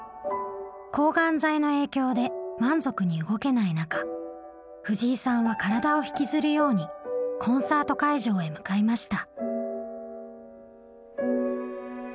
抗がん剤の影響で満足に動けない中藤井さんは体を引きずるようにコンサート会場へ向かいました。